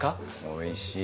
おいしい。